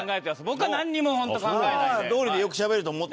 僕はなんにもホント考えないで。